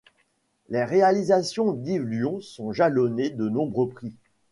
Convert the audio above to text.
Les réalisations d’Yves Lion sont jalonnées de nombreux prix.